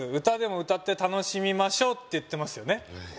「歌でも歌って楽しみましょう」って言ってますよね